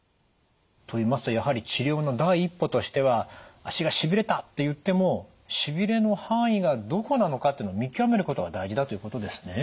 といいますとやはり治療の第一歩としては「足がしびれた」っていってもしびれの範囲がどこなのかってのを見極めることが大事だということですね。